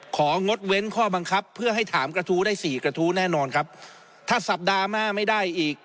งดเว้นข้อบังคับเพื่อให้ถามกระทู้ได้สี่กระทู้แน่นอนครับถ้าสัปดาห์หน้าไม่ได้อีก